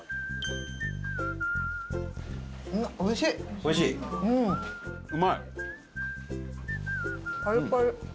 おいしい。